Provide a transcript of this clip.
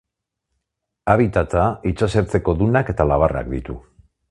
Habitata itsasertzeko dunak eta labarrak ditu.